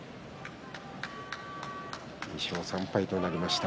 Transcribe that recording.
２勝３敗となりました。